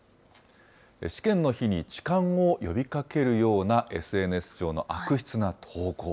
試験の日に痴漢を呼びかけるようなＳＮＳ上の悪質な投稿。